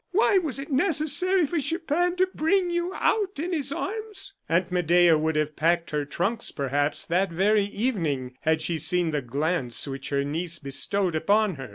Why was it necessary for Chupin to bring you out in his arms?" Aunt Medea would have packed her trunks, perhaps, that very evening, had she seen the glance which her niece bestowed upon her.